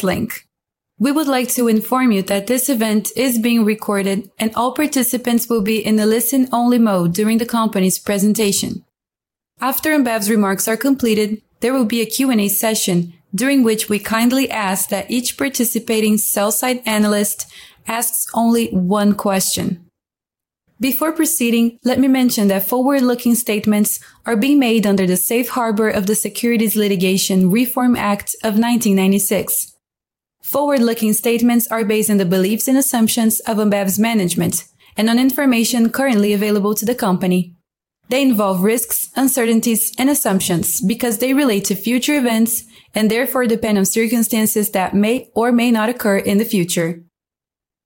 We would like to inform you that this event is being recorded, and all participants will be in a listen-only mode during the company's presentation. After Ambev's remarks are completed, there will be a Q&A session, during which we kindly ask that each participating sell-side analyst ask only one question. Before proceeding, let me mention that forward-looking statements are being made under the Safe Harbor of the Securities Litigation Reform Act of 1996. Forward-looking statements are based on the beliefs and assumptions of Ambev's management and on information currently available to the company. They involve risks, uncertainties, and assumptions because they relate to future events and therefore depend on circumstances that may or may not occur in the future.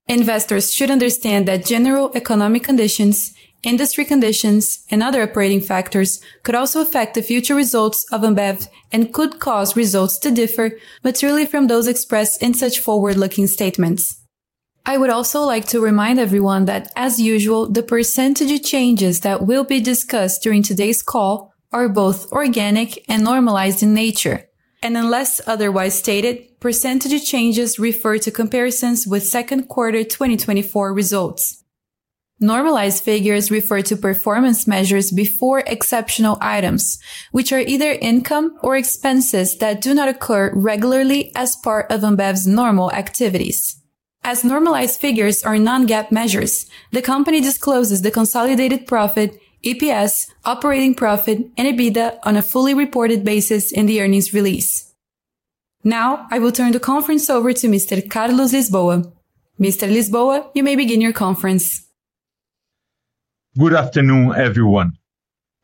Investors should understand that general economic conditions, industry conditions, and other operating factors could also affect the future results of Ambev and could cause results to differ materially from those expressed in such forward-looking statements. I would also like to remind everyone that, as usual, the % changes that will be discussed during today's call are both organic and normalized in nature, and unless otherwise stated, % changes refer to comparisons with Second Quarter 2024 results. Normalized figures refer to performance measures before exceptional items, which are either income or expenses that do not occur regularly as part of Ambev's normal activities. As normalized figures are non-GAAP measures, the company discloses the consolidated profit, EPS, operating profit, and EBITDA on a fully reported basis in the earnings release. Now, I will turn the conference over to Mr. Carlos Lisboa. Mr. Lisboa, you may begin your conference. Good afternoon, everyone.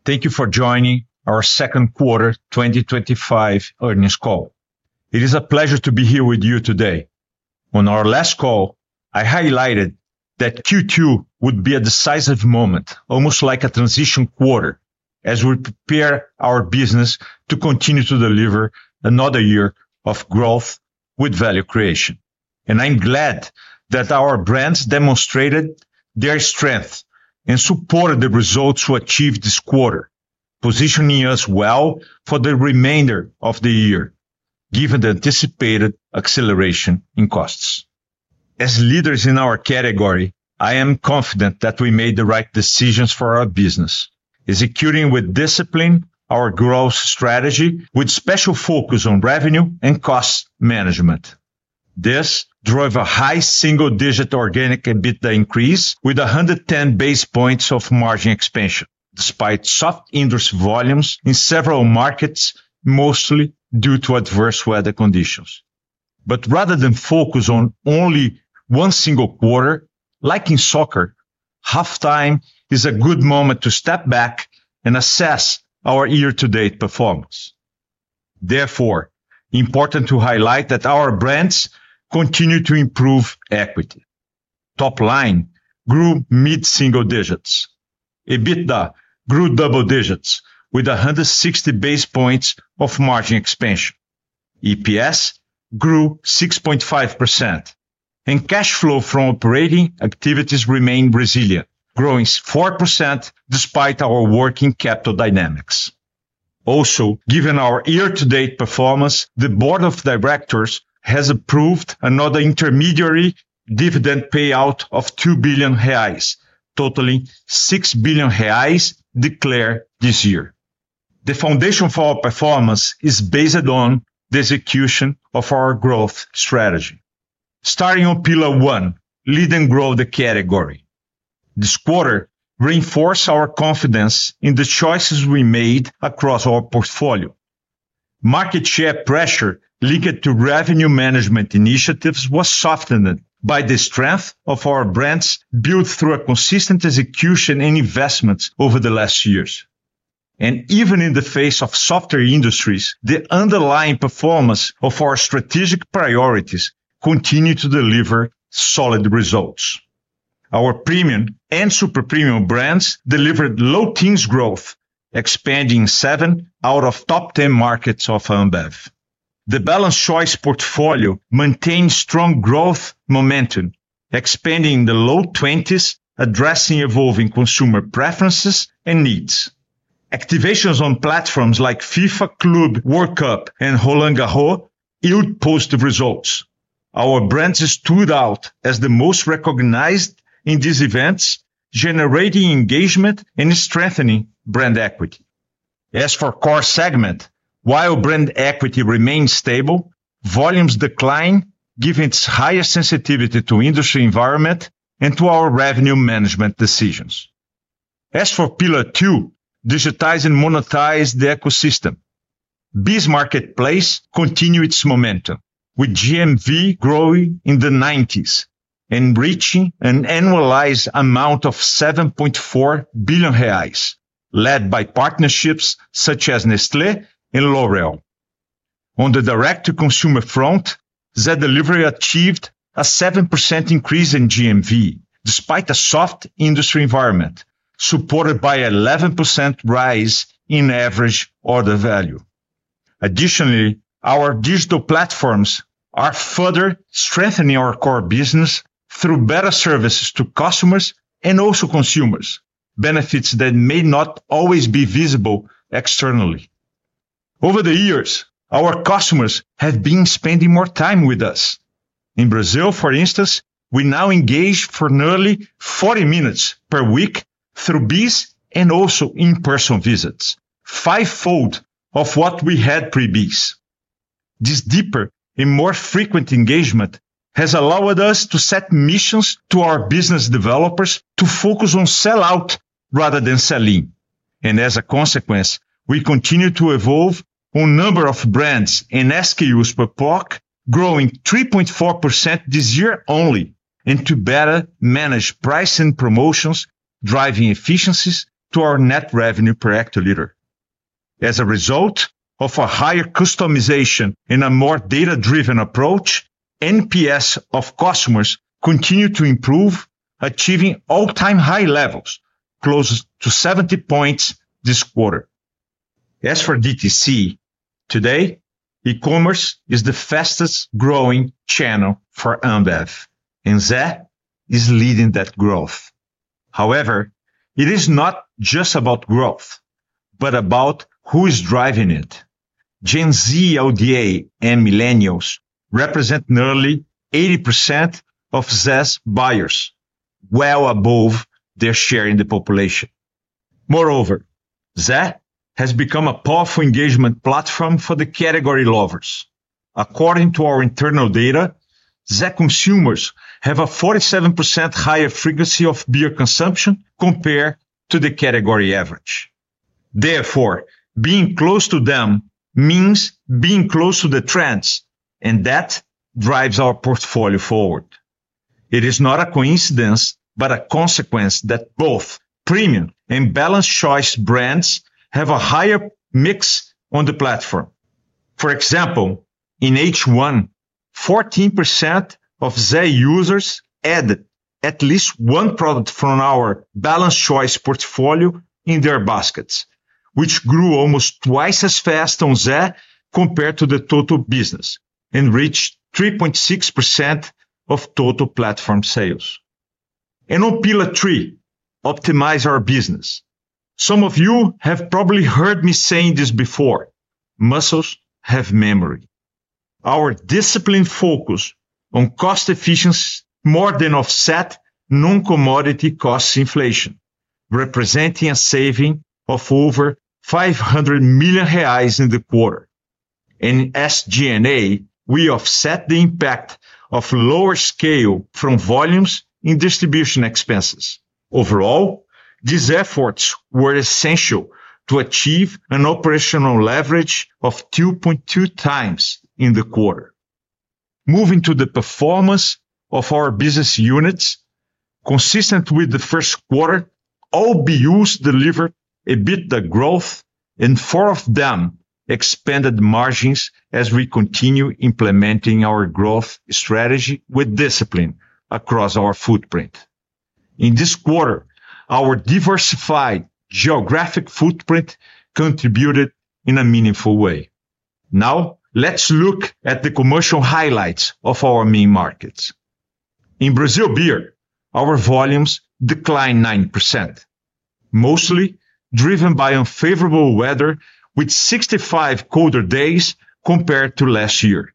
Thank you for joining our Second Quarter 2025 Earnings Call. It is a pleasure to be here with you today. On our last call, I highlighted that Q2 would be a decisive moment, almost like a transition quarter, as we prepare our business to continue to deliver another year of growth with value creation. I'm glad that our brands demonstrated their strength and supported the results we achieved this quarter, positioning us well for the remainder of the year, given the anticipated acceleration in costs. As leaders in our category, I am confident that we made the right decisions for our business, executing with discipline our growth strategy with special focus on revenue and cost management. This drove a high single-digit organic EBITDA increase with 110 basis points of margin expansion, despite soft industry volumes in several markets, mostly due to adverse weather conditions. Rather than focus on only one single quarter, like in soccer, halftime is a good moment to step back and assess our year-to-date performance. Therefore, it's important to highlight that our brands continue to improve equity. Top line grew mid-single digits. EBITDA grew double digits with 160 basis points of margin expansion. EPS grew 6.5%. Cash flow from operating activities remained resilient, growing 4% despite our working capital dynamics. Also, given our year-to-date performance, the board of directors has approved another intermediary dividend payout of 2 billion reais, totaling 6 billion reais declared this year. The foundation for our performance is based on the execution of our growth strategy, starting on Pillar One, leading growth the category. This quarter reinforced our confidence in the choices we made across our portfolio. Market share pressure linked to revenue management initiatives was softened by the strength of our brands built through consistent execution and investments over the last years. Even in the face of softer industries, the underlying performance of our strategic priorities continued to deliver solid results. Our premium and super premium brands delivered low-teens growth, expanding seven out of top ten markets of Ambev. The balanced choice portfolio maintained strong growth momentum, expanding in the low twenties, addressing evolving consumer preferences and needs. Activations on platforms like FIFA Club World Cup, and Roland Garros yielded positive results. Our brands stood out as the most recognized in these events, generating engagement and strengthening brand equity. As for core segment, while brand equity remained stable, volumes declined, given its higher sensitivity to industry environment and to our revenue management decisions. As for Pillar Two, digitized and monetized the ecosystem. Bees Marketplace continued its momentum, with GMV growing in the nineties, and reaching an annualized amount of 7.4 billion reais, led by partnerships such as Nestlé and L'Oréal. On the direct-to-consumer front, Zé Delivery achieved a 7% increase in GMV despite a soft industry environment, supported by an 11% rise in average order value. Additionally, our digital platforms are further strengthening our core business through better services to customers and also consumers, benefits that may not always be visible externally. Over the years, our customers have been spending more time with us. In Brazil, for instance, we now engage for nearly 40 minutes per week through Bees and also in-person visits, five-fold of what we had pre-Bees. This deeper and more frequent engagement has allowed us to set missions to our business developers to focus on sell-out rather than sell-in. As a consequence, we continue to evolve on number of brands and SKUs per pock, growing 3.4% this year only, and to better manage price and promotions, driving efficiencies to our net revenue per hectoliter. As a result of a higher customization and a more data-driven approach, NPS of customers continue to improve, achieving all-time high levels, close to 70 points this quarter. As for DTC, today, e-commerce is the fastest-growing channel for Ambev, and Zé is leading that growth. However, it is not just about growth, but about who is driving it. Gen Z, LDA, and Millennials represent nearly 80% of Zé's buyers, well above their share in the population. Moreover, Zé has become a powerful engagement platform for the category lovers. According to our internal data, Zé consumers have a 47% higher frequency of beer consumption compared to the category average. Therefore, being close to them means being close to the trends, and that drives our portfolio forward. It is not a coincidence, but a consequence that both premium and balanced choice brands have a higher mix on the platform. For example, in H1. 14% of Zé Delivery users add at least one product from our balanced choice portfolio in their baskets, which grew almost twice as fast on Zé Delivery compared to the total business and reached 3.6% of total platform sales. On Pillar Three, optimize our business. Some of you have probably heard me saying this before: muscles have memory. Our disciplined focus on cost efficiency more than offsets non-commodity cost inflation, representing a saving of over 500 million reais in the quarter. In SG&A, we offset the impact of lower scale from volumes in distribution expenses. Overall, these efforts were essential to achieve an operational leverage of 2.2 times in the quarter. Moving to the performance of our business units, consistent with the first quarter, all BUs delivered EBITDA growth, and four of them expanded margins as we continue implementing our growth strategy with discipline across our footprint. In this quarter, our diversified geographic footprint contributed in a meaningful way. Now, let's look at the commercial highlights of our main markets. In Brazil beer, our volumes declined 9%, mostly driven by unfavorable weather with 65 colder days compared to last year.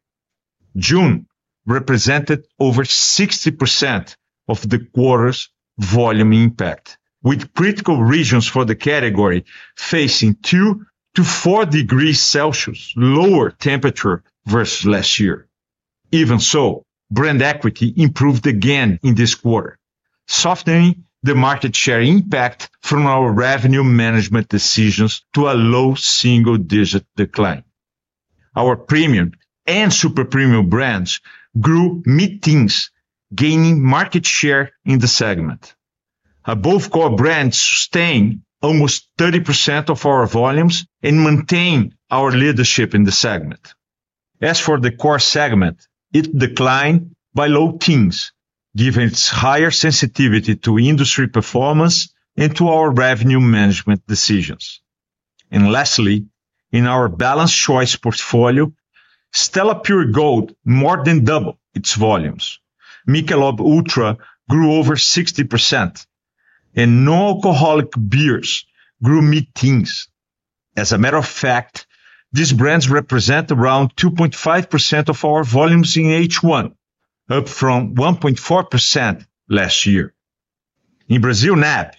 June represented over 60% of the quarter's volume impact, with critical regions for the category facing two to four degrees Celsius lower temperature versus last year. Even so, brand equity improved again in this quarter, softening the market share impact from our revenue management decisions to a low single-digit decline. Our premium and super premium brands grew mid-teens, gaining market share in the segment. Above-core brands sustained almost 30% of our volumes and maintained our leadership in the segment. For the core segment, it declined by low teens, given its higher sensitivity to industry performance and to our revenue management decisions. In our balanced choice portfolio, Stella Pure Gold more than doubled its volumes. Michelob Ultra grew over 60%, and non-alcoholic beers grew mid-teens. These brands represent around 2.5% of our volumes in H1, up from 1.4% last year. In Brazil NAP,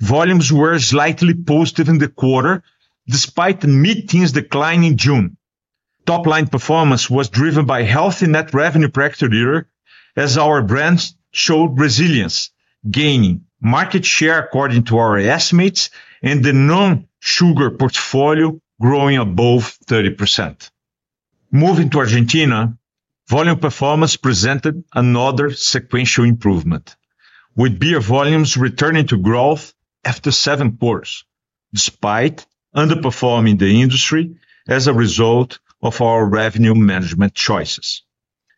volumes were slightly positive in the quarter despite mid-teens decline in June. Top line performance was driven by healthy net revenue per hectoliter, as our brands showed resilience, gaining market share according to our estimates and the non-sugar portfolio growing above 30%. Moving to Argentina, volume performance presented another sequential improvement, with beer volumes returning to growth after seven quarters, despite underperforming the industry as a result of our revenue management choices.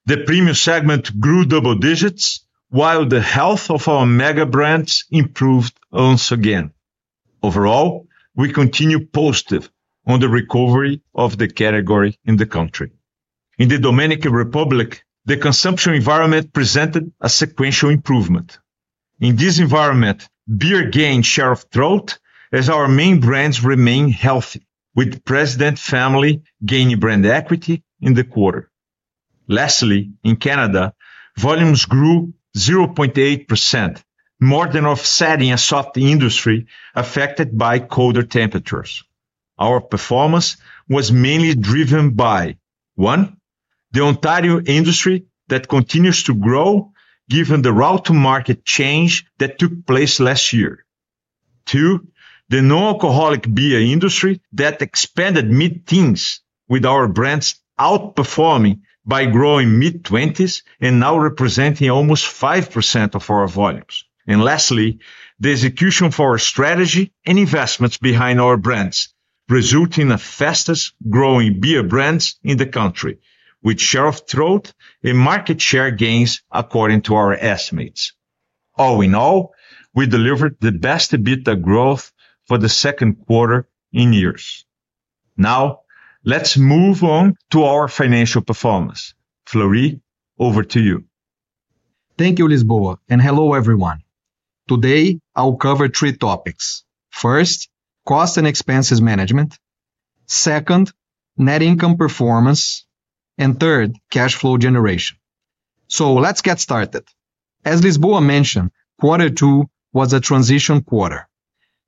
The premium segment grew double digits, while the health of our mega brands improved once again. Overall, we continue positive on the recovery of the category in the country. In the Dominican Republic, the consumption environment presented a sequential improvement. In this environment, beer gained share of throat as our main brands remain healthy, with the president family gaining brand equity in the quarter. Lastly, in Canada, volumes grew 0.8%, more than offsetting a soft industry affected by colder temperatures. Our performance was mainly driven by, one, the Ontario industry that continues to grow given the route to market change that took place last year. Two, the non-alcoholic beer industry that expanded mid-teens, with our brands outperforming by growing mid-twenties and now representing almost 5% of our volumes. Lastly, the execution of our strategy and investments behind our brands resulted in the fastest-growing beer brands in the country, with share of throat and market share gains according to our estimates. All in all, we delivered the best EBITDA growth for the Second Quarter in years. Now, let's move on to our financial performance. Fleury, over to you. Thank you, Lisboa, and hello, everyone. Today, I'll cover three topics. First, cost and expenses management. Second, net income performance, and third, cash flow generation. Let's get started. As Lisboa mentioned, quarter two was a transition quarter.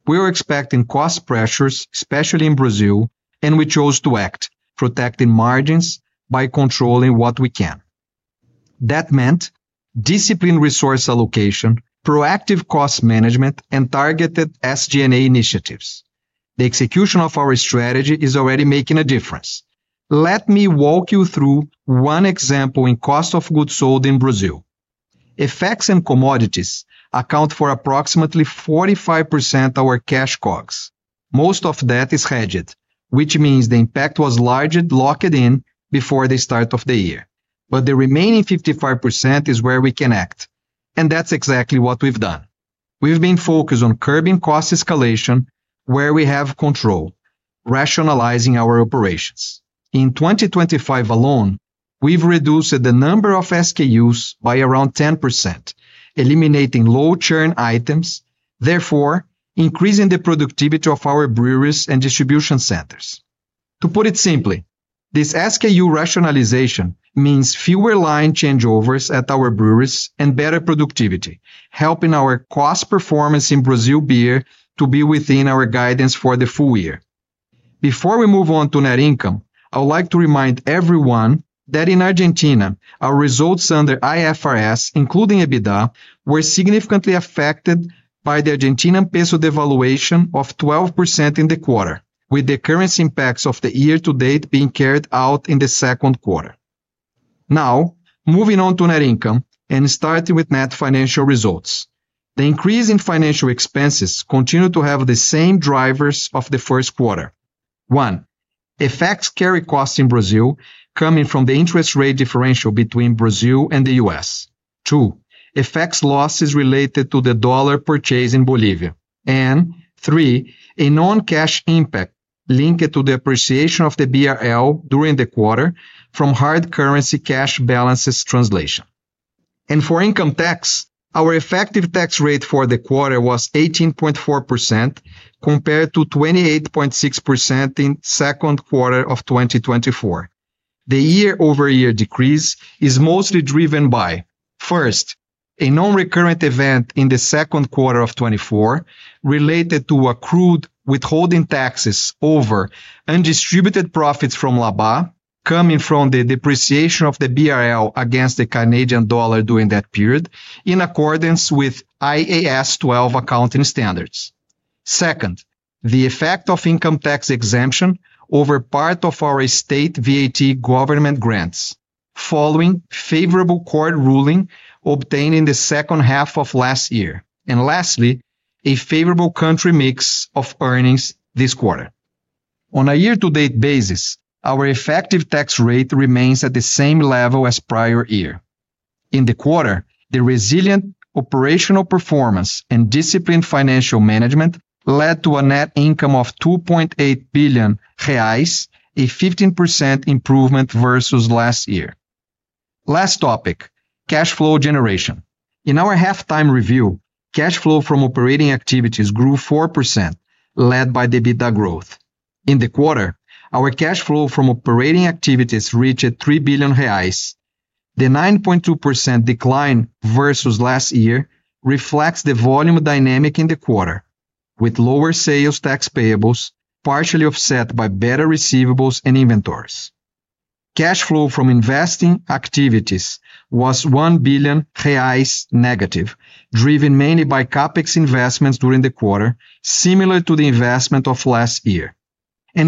We were expecting cost pressures, especially in Brazil, and we chose to act protecting margins by controlling what we can. That meant disciplined resource allocation, proactive cost management, and targeted SG&A initiatives. The execution of our strategy is already making a difference. Let me walk you through one example in cost of goods sold in Brazil. FX and commodities account for approximately 45% of our cash COGS. Most of that is hedged, which means the impact was largely locked in before the start of the year. The remaining 55% is where we can act, and that's exactly what we've done. We've been focused on curbing cost escalation where we have control, rationalizing our operations. In 2025 alone, we've reduced the number of SKUs by around 10%, eliminating low churn items, therefore increasing the productivity of our breweries and distribution centers. To put it simply, this SKU rationalization means fewer line changeovers at our breweries and better productivity, helping our cost performance in Brazil beer to be within our guidance for the full year. Before we move on to net income, I would like to remind everyone that in Argentina, our results under IFRS, including EBITDA, were significantly affected by the Argentine peso devaluation of 12% in the quarter, with the current impacts of the year-to-date being carried out in the Second Quarter. Now, moving on to net income and starting with net financial results. The increase in financial expenses continued to have the same drivers of the first quarter. One, effects carry costs in Brazil coming from the interest rate differential between Brazil and the U.S. Two, effects losses related to the dollar purchase in Bolivia. Three, a non-cash impact linked to the appreciation of the BRL during the quarter from hard currency cash balances translation. For income tax, our effective tax rate for the quarter was 18.4%, compared to 28.6% in the Second Quarter of 2024. The year-over-year decrease is mostly driven by, first, a non-recurrent event in the Second Quarter of 2024 related to accrued withholding taxes over undistributed profits from Labatt coming from the depreciation of the BRL against the Canadian dollar during that period, in accordance with IAS 12 accounting standards. Second, the effect of income tax exemption over part of our state VAT government grants, following favorable court ruling obtained in the second half of last year. Lastly, a favorable country mix of earnings this quarter. On a year-to-date basis, our effective tax rate remains at the same level as prior year. In the quarter, the resilient operational performance and disciplined financial management led to a net income of 2.8 billion reais, a 15% improvement versus last year. Last topic, cash flow generation. In our halftime review, cash flow from operating activities grew 4%, led by EBITDA growth. In the quarter, our cash flow from operating activities reached 3 billion reais. The 9.2% decline versus last year reflects the volume dynamic in the quarter, with lower sales tax payables partially offset by better receivables and inventories. Cash flow from investing activities was 1 billion reais negative, driven mainly by CapEx investments during the quarter, similar to the investment of last year.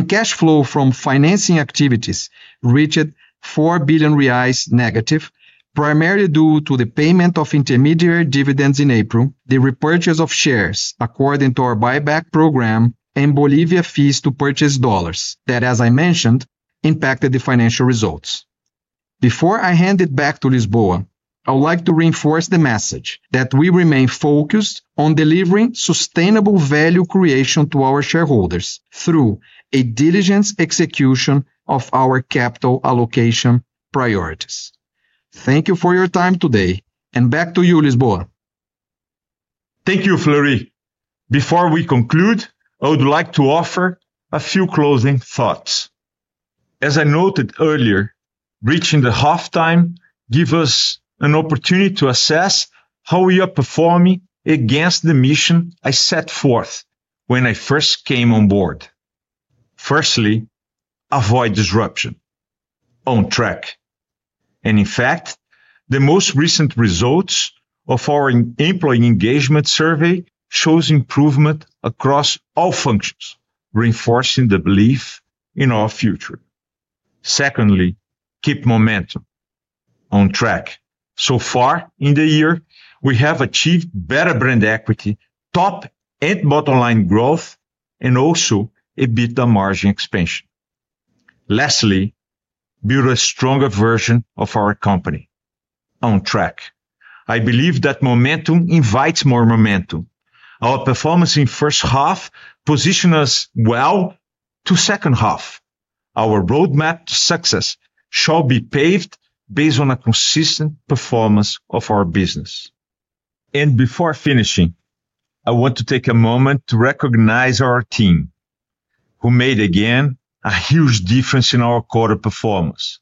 Cash flow from financing activities reached 4 billion reais negative, primarily due to the payment of intermediary dividends in April, the repurchase of shares according to our buyback program, and Bolivia fees to purchase dollars that, as I mentioned, impacted the financial results. Before I hand it back to Lisboa, I would like to reinforce the message that we remain focused on delivering sustainable value creation to our shareholders through a diligent execution of our capital allocation priorities. Thank you for your time today, and back to you, Lisboa. Thank you, Fleury. Before we conclude, I would like to offer a few closing thoughts. As I noted earlier, reaching the halftime gives us an opportunity to assess how we are performing against the mission I set forth when I first came on board. Firstly, avoid disruption. On track. In fact, the most recent results of our employee engagement survey show improvement across all functions, reinforcing the belief in our future. Secondly, keep momentum. On track. So far in the year, we have achieved better brand equity, top and bottom line growth, and also EBITDA margin expansion. Lastly, build a stronger version of our company. On track. I believe that momentum invites more momentum. Our performance in the first half positioned us well to the second half. Our roadmap to success shall be paved based on a consistent performance of our business. Before finishing, I want to take a moment to recognize our team, who made again a huge difference in our quarter performance,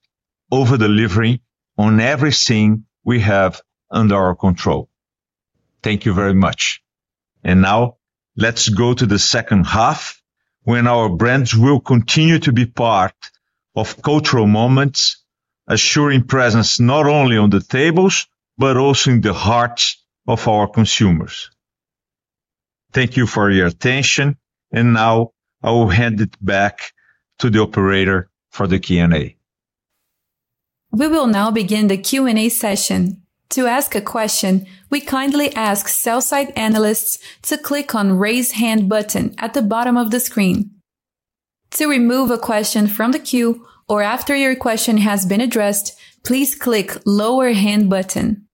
overdelivering on everything we have under our control. Thank you very much. Now, let's go to the second half, when our brands will continue to be part of cultural moments, assuring presence not only on the tables but also in the hearts of our consumers. Thank you for your attention, and now I will hand it back to the operator for the Q&A. We will now begin the Q&A session. To ask a question, we kindly ask sell-side analysts to click on the raise hand button at the bottom of the screen. To remove a question from the queue or after your question has been addressed, please click the lower hand button.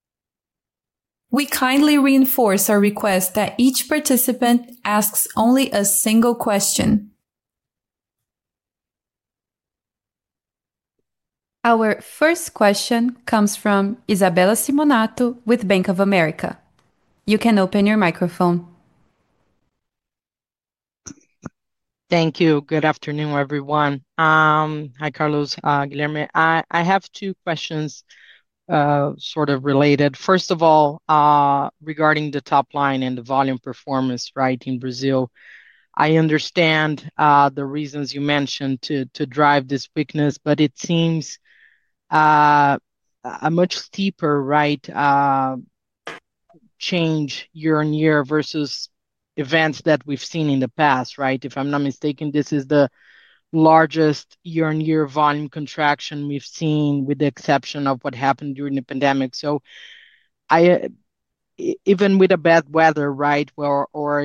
We kindly reinforce our request that each participant asks only a single question. Our first question comes from Isabella Simonato with Bank of America. You can open your microphone. Thank you. Good afternoon, everyone. Hi, Carlos, Guilherme. I have two questions, sort of related. First of all, regarding the top line and the volume performance in Brazil. I understand the reasons you mentioned to drive this weakness, but it seems much steeper, right? Change Year-on-Year versus events that we've seen in the past. If I'm not mistaken, this is the largest year-on-year volume contraction we've seen, with the exception of what happened during the pandemic. Even with bad weather, or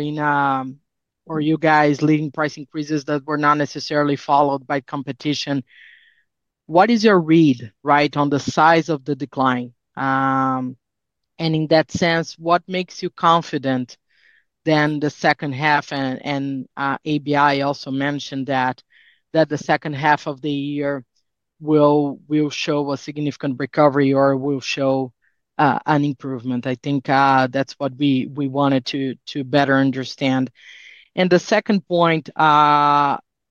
you guys leading price increases that were not necessarily followed by competition, what is your read on the size of the decline? In that sense, what makes you confident in the second half? ABI also mentioned that the second half of the year will show a significant recovery or will show an improvement. I think that's what we wanted to better understand. The second point,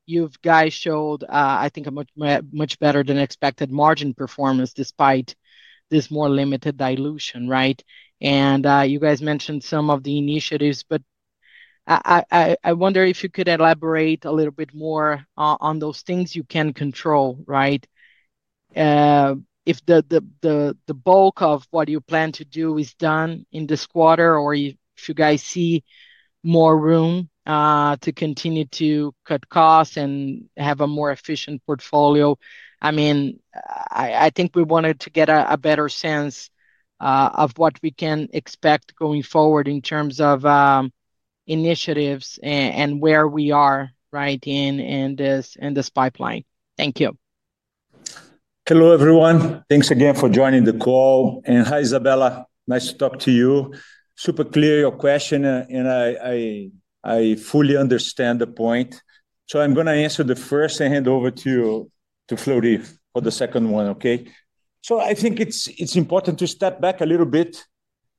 you guys showed a much, much better than expected margin performance despite this more limited dilution, and you guys mentioned some of the initiatives. I wonder if you could elaborate a little bit more on those things you can control, if the bulk of what you plan to do is done in this quarter, or if you guys see more room to continue to cut costs and have a more efficient portfolio. I think we wanted to get a better sense of what we can expect going forward in terms of initiatives and where we are in this pipeline. Thank you. Hello, everyone. Thanks again for joining the call. Hi, Isabella. Nice to talk to you. Super clear your question, and I fully understand the point. I'm going to answer the first and hand over to you to Fleury for the second one, okay? I think it's important to step back a little bit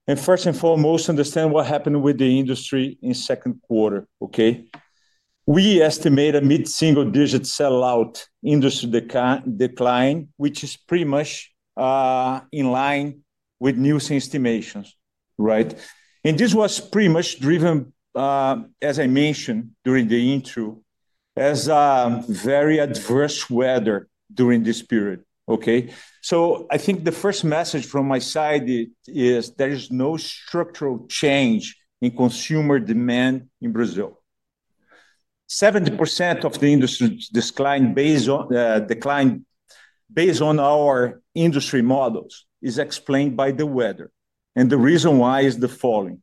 and first and foremost understand what happened with the industry in the Second Quarter. We estimate a mid-single-digit sell-out industry decline, which is pretty much in line with news estimations. This was pretty much driven, as I mentioned during the intro, as very adverse weather during this period. The first message from my side is there is no structural change in consumer demand in Brazil. 70% of the industry decline, based on our industry models, is explained by the weather. The reason why is the following.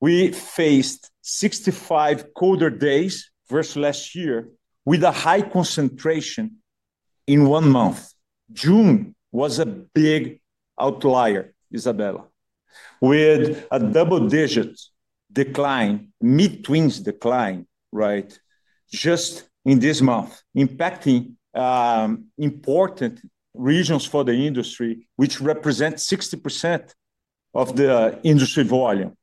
We faced 65 colder days versus last year with a high concentration in one month. June was a big outlier, Isabella, with a double-digit decline, mid-twins decline, right? Just in this month, impacting important regions for the industry, which represent 60% of the industry volume.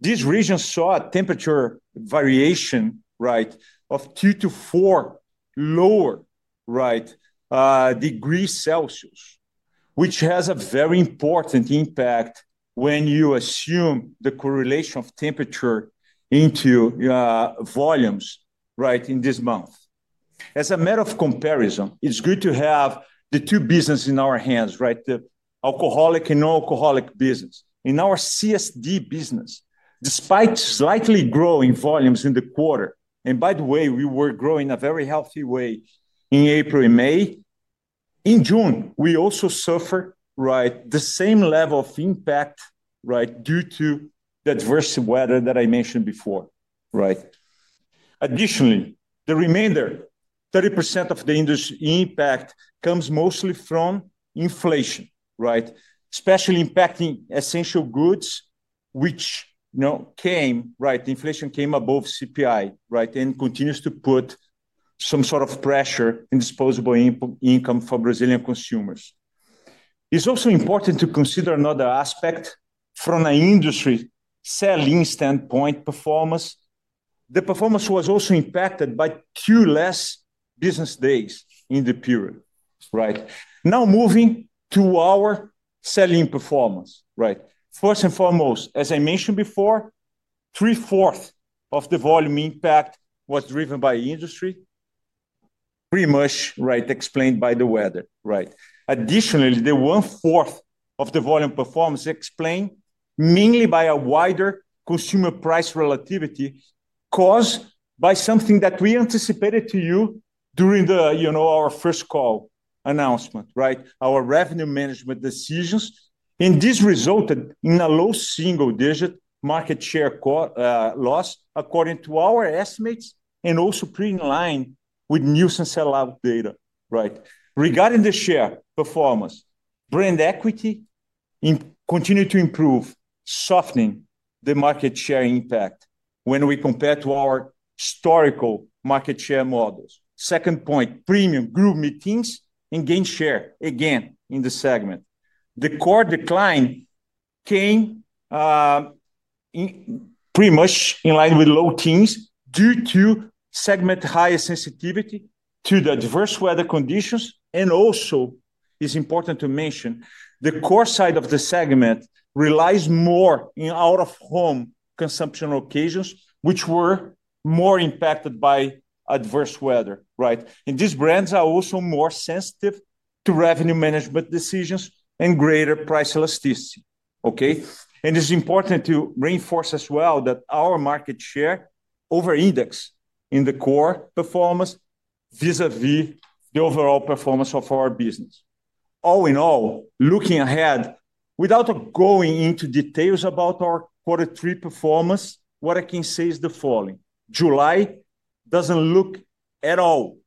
These regions saw a temperature variation, right, of two to four lower, right, degrees Celsius, which has a very important impact when you assume the correlation of temperature into volumes, right, in this month. As a matter of comparison, it's good to have the two businesses in our hands, right, the alcoholic and non-alcoholic business. In our CSD business, despite slightly growing volumes in the quarter, and by the way, we were growing in a very healthy way in April and May. In June, we also suffered, right, the same level of impact, right, due to the adverse weather that I mentioned before, right? Additionally, the remainder, 30% of the industry impact comes mostly from inflation, right, especially impacting essential goods, which, you know, came, right, the inflation came above CPI, right, and continues to put some sort of pressure on disposable income for Brazilian consumers. It's also important to consider another aspect from an industry selling standpoint performance. The performance was also impacted by a few less business days in the period, right? Now moving to our selling performance, right? First and foremost, as I mentioned before, three-fourths of the volume impact was driven by industry. Pretty much, right, explained by the weather, right? Additionally, the one-fourth of the volume performance explained mainly by a wider consumer price relativity caused by something that we anticipated to you during the, you know, our first call announcement, right? Our revenue management decisions. This resulted in a low single-digit market share cost loss, according to our estimates, and also pretty in line with news and sell-out data, right? Regarding the share performance, brand equity continued to improve, softening the market share impact when we compare to our historical market share models. Second point, premium group meetings and gain share again in the segment. The core decline came pretty much in line with low teens due to segment higher sensitivity to the adverse weather conditions. Also, it's important to mention the core side of the segment relies more in out-of-home consumption occasions, which were more impacted by adverse weather, right? These brands are also more sensitive to revenue management decisions and greater price elasticity, okay? It's important to reinforce as well that our market share over-indexed in the core performance wiz-a-wiz the overall performance of our business. All in all, looking ahead, without going into details about our quarter three performance, what I can say is the following: July doesn't look at all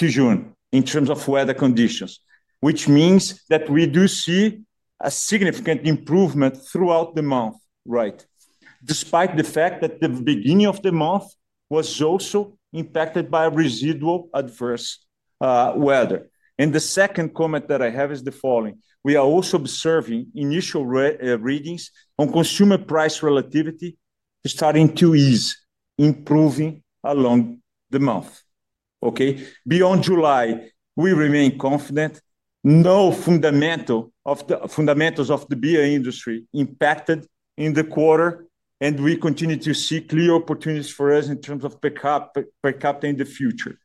like June in terms of weather conditions, which means that we do see a significant improvement throughout the month, right? Despite the fact that the beginning of the month was also impacted by residual adverse weather. The second comment that I have is the following: we are also observing initial readings on consumer price relativity starting to ease, improving along the month, okay? Beyond July, we remain confident. No fundamental of the fundamentals of the beer industry impacted in the quarter, and we continue to see clear opportunities for us in terms of per capita in the future.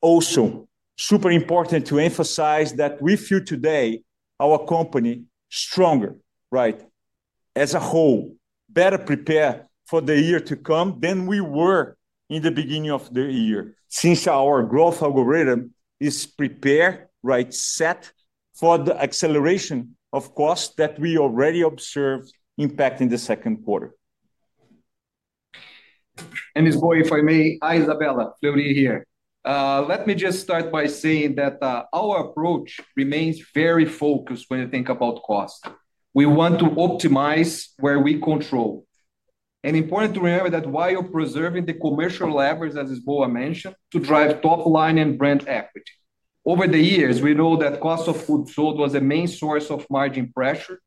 Also, super important to emphasize that we feel today our company is stronger, right? As a whole, better prepared for the year to come than we were in the beginning of the year since our growth algorithm is prepared, right, set for the acceleration of costs that we already observed impacting the Second Quarter. Lisboa, if I may, hi, Isabella, Fleury here. Let me just start by saying that our approach remains very focused when you think about cost. We want to optimize where we control. It's important to remember that while preserving the commercial levers, as Lisboa mentioned, to drive top line and brand equity. Over the years, we know that cost of food sold was a main source of margin pressure,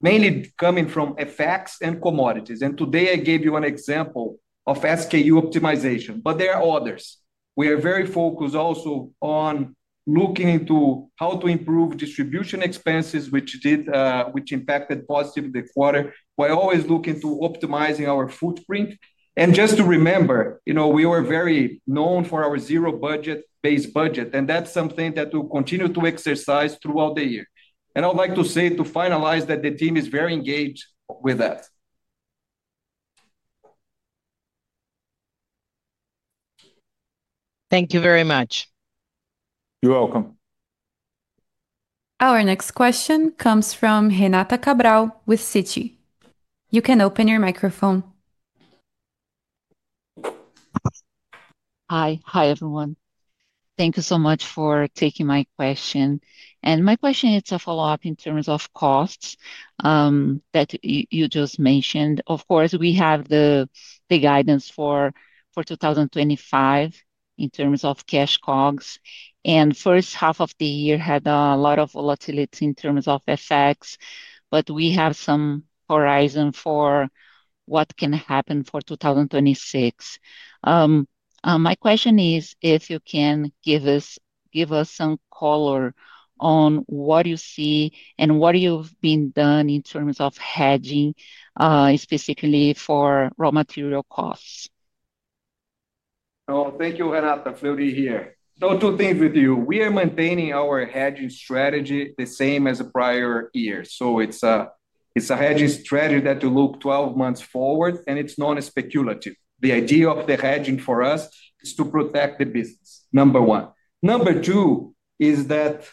mainly coming from FX and commodities. Today, I gave you an example of SKU rationalization, but there are others. We are very focused also on looking into how to improve distribution expenses, which impacted positively the quarter, while always looking to optimize our footprint. Just to remember, you know, we were very known for our zero-based budget, and that's something that we'll continue to exercise throughout the year. I would like to say to finalize that the team is very engaged with that. Thank you very much. You're welcome. Our next question comes from Renata Cabral with Citigroup. You can open your microphone. Hi, hi, everyone. Thank you so much for taking my question. My question is a follow-up in terms of costs that you just mentioned. Of course, we have the guidance for 2025 in terms of cash COGS. The first half of the year had a lot of volatility in terms of FX, but we have some horizon for what can happen for 2026. My question is if you can give us some color on what you see and what you've been doing in terms of hedging, specifically for raw material costs. Thank you, Renata. Fleury here. Two things with you. We are maintaining our hedging strategy the same as the prior year. It is a hedging strategy that you look 12 months forward, and it's non-speculative. The idea of the hedging for us is to protect the business, number one. Number two is that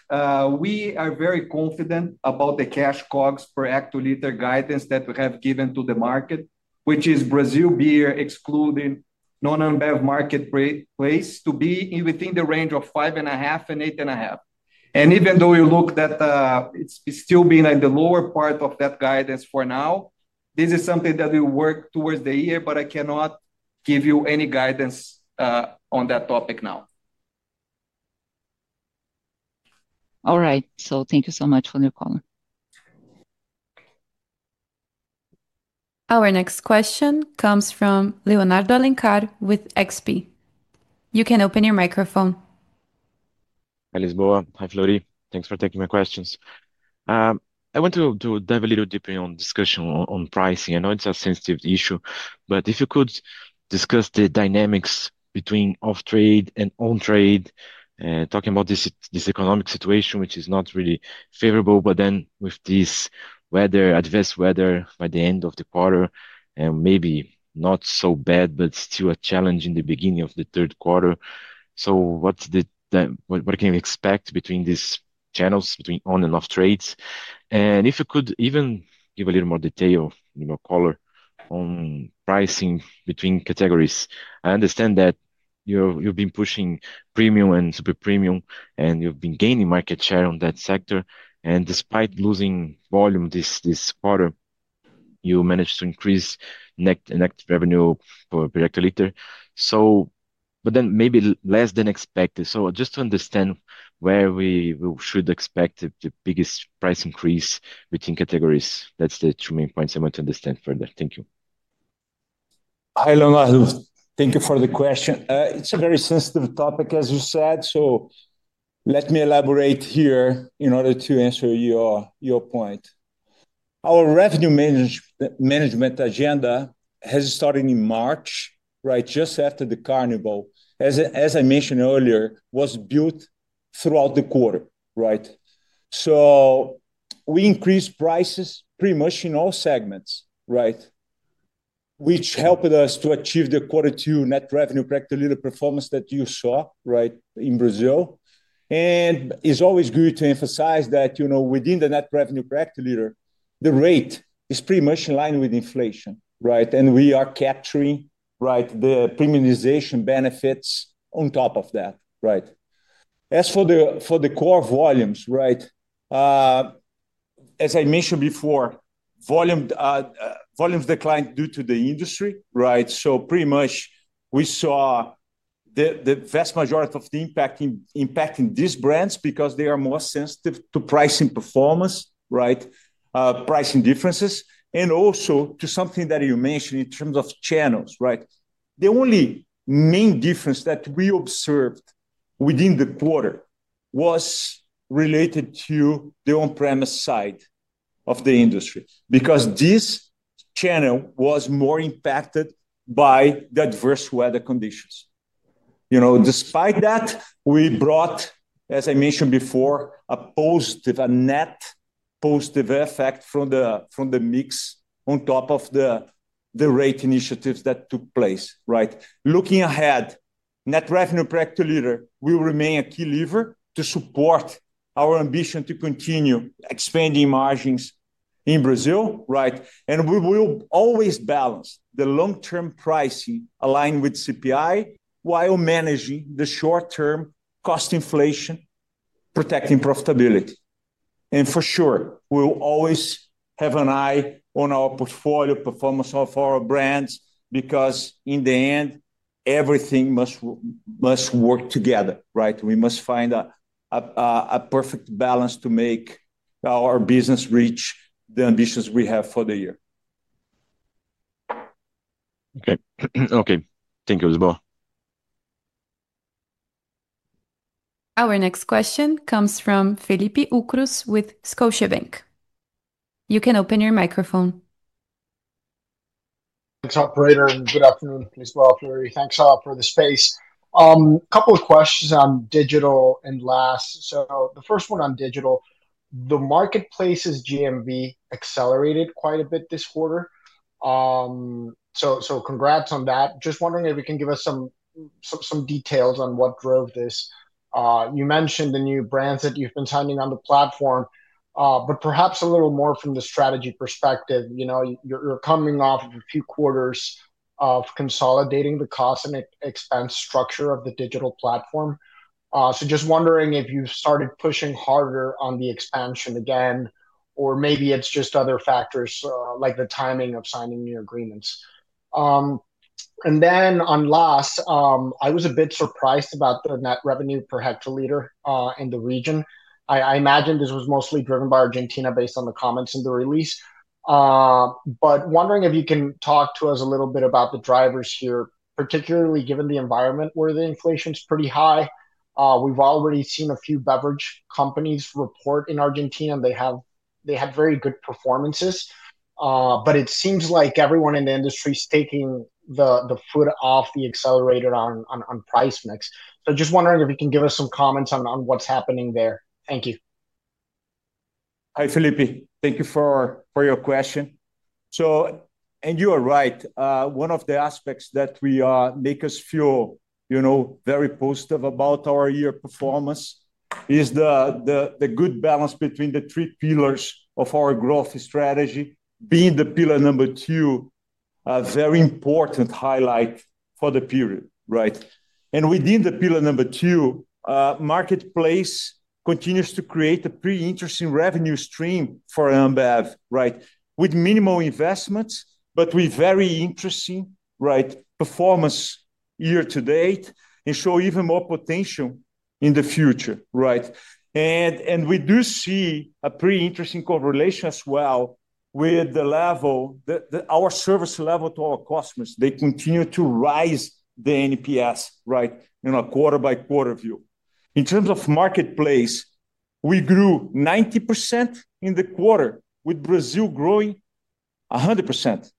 we are very confident about the cash COGS per hectoliter guidance that we have given to the market, which is Brazil beer excluding non-embedded marketplace to be within the range of five and a half and eight and a half. Even though you looked at it, it's still been at the lower part of that guidance for now. This is something that we work towards the year, but I cannot give you any guidance on that topic now. Thank you so much for your call. Our next question comes from Leonardo Alencar with XP Investimentos. You can open your microphone. Hi, Lisboa. Hi, Fleury. Thanks for taking my questions. I want to dive a little deeper on discussion on pricing. I know it's a sensitive issue, but if you could discuss the dynamics between off-trade and on-trade, talking about this economic situation, which is not really favorable, but then with this adverse weather by the end of the quarter, and maybe not so bad, but still a challenge in the beginning of Third Quarter. what can you expect between these channels, between on and off-trades? If you could even give a little more detail in your color on pricing between categories, I understand that you've been pushing premium and super premium, and you've been gaining market share on that sector. Despite losing volume this quarter, you managed to increase net revenue per hectoliter, but then maybe less than expected. Just to understand where we should expect the biggest price increase between categories, that's the two main points I want to understand further. Thank you. Hi, Leonardo. Thank you for the question. It's a very sensitive topic, as you said. Let me elaborate here in order to answer your point. Our revenue management agenda has started in March, right, just after the carnival. As I mentioned earlier, was built throughout the quarter, right? We increased prices pretty much in all segments, right? Which helped us to achieve the quarter two net revenue per hectoliter performance that you saw, right, in Brazil. It's always good to emphasize that, you know, within the net revenue per hectoliter, the rate is pretty much in line with inflation, right? We are capturing, right, the premiumization benefits on top of that, right? As for the core volumes, right. As I mentioned before, volumes declined due to the industry, right? Pretty much we saw the vast majority of the impact in impacting these brands because they are more sensitive to pricing performance, right? Pricing differences, and also to something that you mentioned in terms of channels, right? The only main difference that we observed within the quarter was related to the on-premise side of the industry because this channel was more impacted by the adverse weather conditions. You know, despite that, we brought, as I mentioned before, a positive, a net positive effect from the mix on top of the rate initiatives that took place, right? Looking ahead, net revenue per hectoliter will remain a key lever to support our ambition to continue expanding margins in Brazil, right? We will always balance the long-term pricing aligned with CPI while managing the short-term cost inflation, protecting profitability. For sure, we'll always have an eye on our portfolio performance of our brands because in the end, everything must work together, right? We must find a perfect balance to make our business reach the ambitions we have for the year. Okay, okay. Thank you, Lisboa. Our next question comes Felipe Ucros with Scotiabank. You can open your microphone. Thanks, operator, and good afternoon, Lisboa and Fleury. Thanks for the space. A couple of questions on digital and last. The first one on digital, the marketplace's GMV accelerated quite a bit this quarter. So congrats on that. Just wondering if you can give us some details on what drove this. You mentioned the new brands that you've been signing on the platform, but perhaps a little more from the strategy perspective. You know, you're coming off of a few quarters of consolidating the cost and expense structure of the digital platform. Just wondering if you've started pushing harder on the expansion again, or maybe it's just other factors, like the timing of signing new agreements. On last, I was a bit surprised about the net revenue per hectoliter in the region. I imagine this was mostly driven by Argentina based on the comments in the release, but wondering if you can talk to us a little bit about the drivers here, particularly given the environment where the inflation is pretty high. We've already seen a few beverage companies report in Argentina, and they had very good performances. It seems like everyone in the industry is taking the foot off the accelerator on price mix. Just wondering if you can give us some comments on what's happening there. Thank you. Hi, Felipe. Thank you for your question. You are right. One of the aspects that makes us feel very positive about our year performance is the good balance between the three pillars of our growth strategy, with pillar number two being a very important highlight for the period. Within pillar number two, Bees Marketplace continues to create a pretty interesting revenue stream for Ambev, with minimal investments but with very interesting performance year to date and showing even more potential in the future. We do see a pretty interesting correlation as well with our service level to our customers. They continue to raise the NPS in a quarter-by-quarter view. In terms of marketplace, we grew 90% in the quarter with Brazil growing 100%.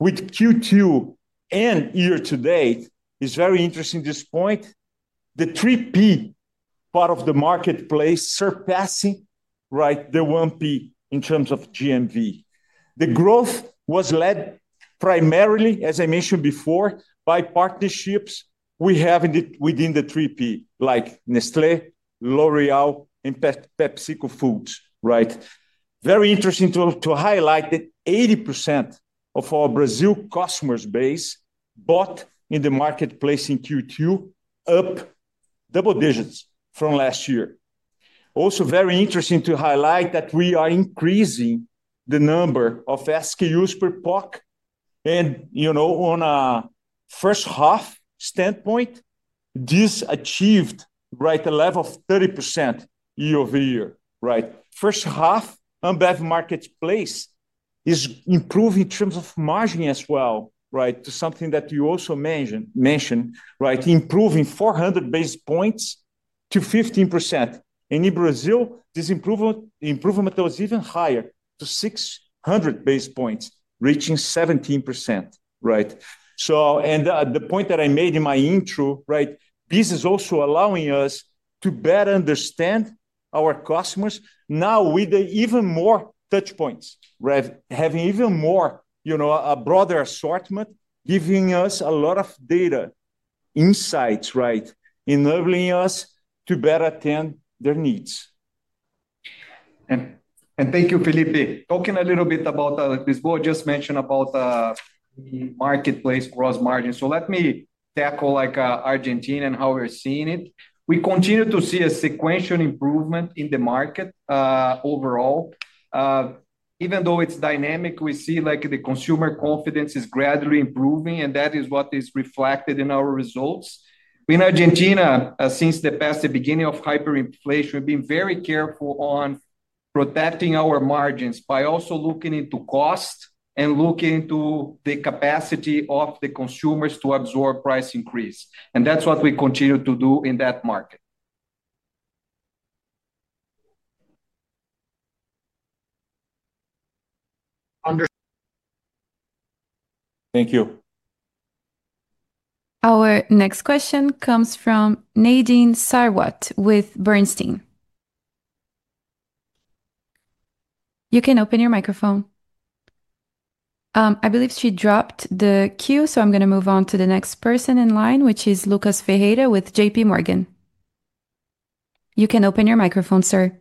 With Q2 and year to date, it's very interesting at this point. The 3P part of the marketplace is surpassing the 1P in terms of GMV. The growth was led primarily, as I mentioned before, by partnerships we have within the 3P, like Nestlé, L'Oréal, and PepsiCo Foods. It's very interesting to highlight that 80% of our Brazil customer base bought in the marketplace in Q2, up double digits from last year. Also very interesting to highlight that we are increasing the number of SKUs per pock. On a first-half standpoint, this achieved a level of 30% Year-over-Year. First-half Ambev marketplace is improving in terms of margin as well, improving 400 basis points to 15%. In Brazil, this improvement was even higher to 600 basis points, reaching 17%. The point that I made in my intro, right, this is also allowing us to better understand our customers now with even more touch points, right? Having even more, you know, a broader assortment, giving us a lot of data, insights, right? Enabling us to better attend their needs. Thank you, Felipe. Talking a little bit about, Lisboa just mentioned about the Marketplace gross margin. Let me tackle Argentina and how we're seeing it. We continue to see a sequential improvement in the market overall. Even though it's dynamic, we see the consumer confidence is gradually improving, and that is what is reflected in our results. In Argentina, since the beginning of hyperinflation, we've been very careful on protecting our margins by also looking into cost and looking into the capacity of the consumers to absorb price increase. That's what we continue to do in that market. Thank you. Our next question comes from Nadine Sarwat with Bernstein. You can open your microphone. I believe she dropped the queue, so I'm going to move on to the next person in line, which is Lucas Ferreira with JPMorgan. You can open your microphone, sir.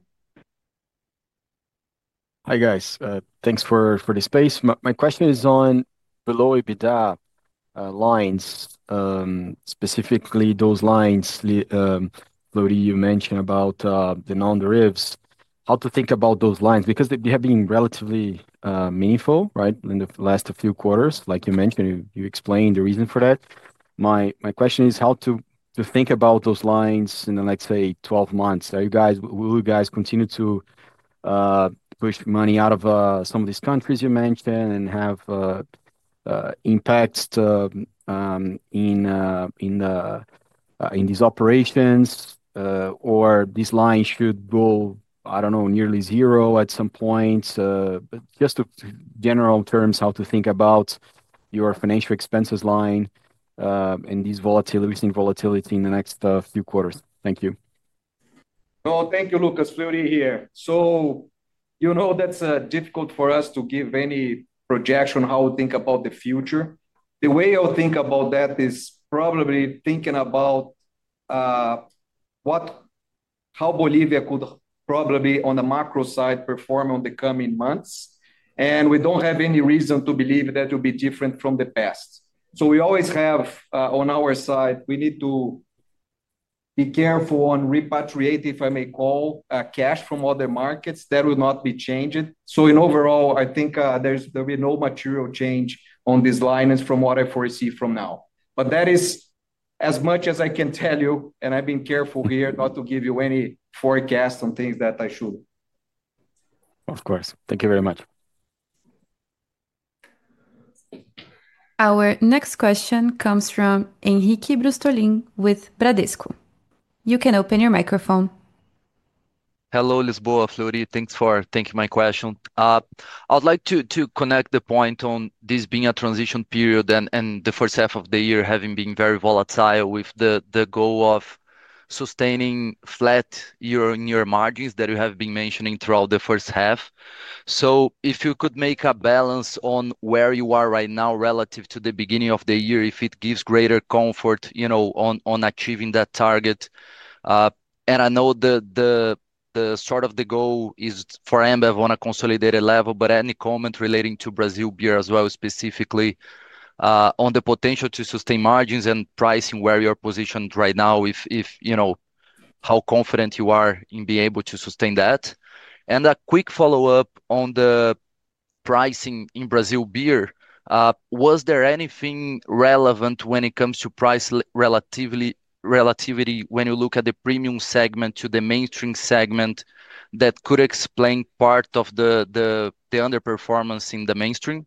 Hi guys, thanks for the space. My question is on P&L EBITDA lines, specifically those lines, Fleury, you mentioned about the non-derivs. How to think about those lines? They have been relatively meaningful, right, in the last few quarters, like you mentioned, you explained the reason for that. My question is how to think about those lines in the, let's say, 12 months. Are you guys, will you guys continue to push money out of some of these countries you mentioned and have impacts in these operations, or this line should go, I don't know, nearly zero at some point? Just in general terms, how to think about your financial expenses line, and this volatility, we're seeing volatility in the next few quarters. Thank you. No, thank you, Lucas. Fleury here. That's difficult for us to give any projection on how we think about the future. The way I'll think about that is probably thinking about what, how Bolivia could probably on the macro side perform in the coming months. We don't have any reason to believe that it will be different from the past. We always have, on our side, we need to be careful on repatriate, if I may call, cash from other markets. That will not be changed. In overall, I think there will be no material change on these lines from what I foresee from now. That is as much as I can tell you, and I've been careful here not to give you any forecast on things that I should. Of course. Thank you very much. Our next question comes from Henrique Brustolin with Bradesco BBI. You can open your microphone. Hello, Lisboa, Fleury, Thanks for taking my question. I'd like to connect the point on this being a transition period and the first half of the year having been very volatile with the goal of sustaining flat year-on-year margins that you have been mentioning throughout the first half. If you could make a balance on where you are right now relative to the beginning of the year, if it gives greater comfort on achieving that target. I know the goal is for Ambev on a consolidated level, but any comment relating to Brazil beer as well, specifically on the potential to sustain margins and pricing where you're positioned right now, how confident you are in being able to sustain that. A quick follow-up on the pricing in Brazil beer, was there anything relevant when it comes to price relativity when you look at the premium segment to the mainstream segment that could explain part of the underperformance in the mainstream?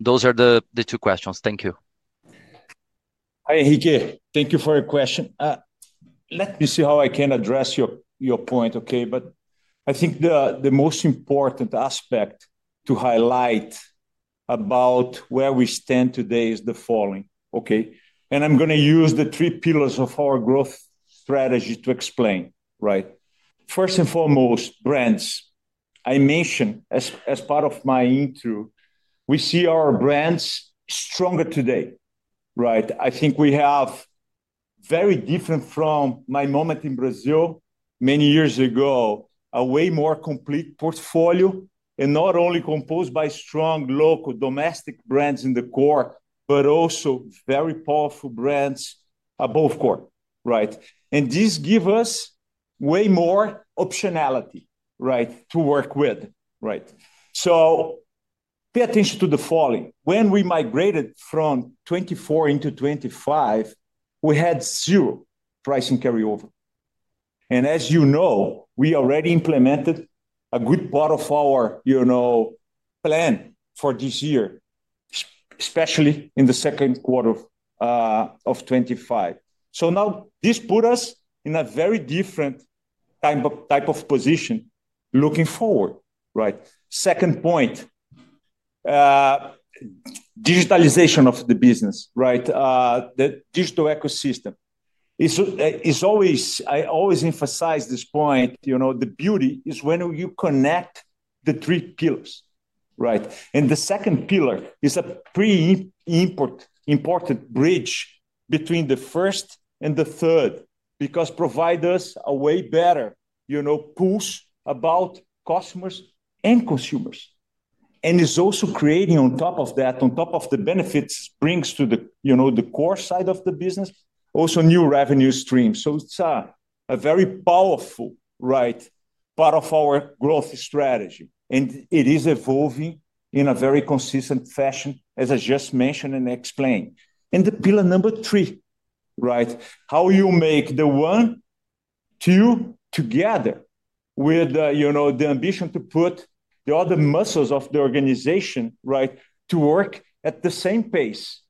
Those are the two questions. Thank you. Hi, Henrique. Thank you for your question. Let me see how I can address your point, okay? I think the most important aspect to highlight about where we stand today is the following, okay? I'm going to use the three pillars of our growth strategy to explain, right? First and foremost, brands. I mentioned as part of my intro, we see our brands stronger today, right? I think we have, very different from my moment in Brazil many years ago, a way more complete portfolio, and not only composed by strong local domestic brands in the core, but also very powerful brands above core, right? This gives us way more optionality to work with, right? Pay attention to the following. When we migrated from 2024 into 2025, we had zero pricing carryover. As you know, we already implemented a good part of our plan for this year, especially in the Second Quarter of 2025. This puts us in a very different type of position looking forward, right? Second point, digitalization of the business, the digital ecosystem. I always emphasize this point, you know, the beauty is when you connect the three pillars, right? The second pillar is a pretty important bridge between the first and the third because it provides us a way better push about customers and consumers. It's also creating, on top of the benefits it brings to the core side of the business, new revenue streams. It's a very powerful part of our growth strategy, and it is evolving in a very consistent fashion, as I just mentioned and explained. The pillar number three, how you make the one, two together with the ambition to put the other muscles of the organization to work at the same pace